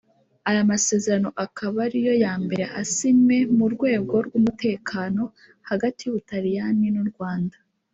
Aya masezerano akaba ariyo ya mbere asinywe mu rwego rw’umutekano hagati y’Ubutaliyani n’u Rwanda